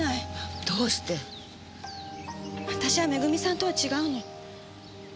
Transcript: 私は恵さんとは違うの。